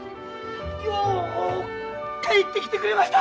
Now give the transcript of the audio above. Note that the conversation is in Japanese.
よう帰ってきてくれました！